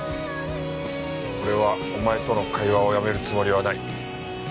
俺はお前との会話をやめるつもりはない。